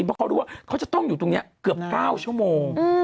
เพราะเขารู้ว่าเขาจะต้องอยู่ตรงนี้เกือบ๙ชั่วโมง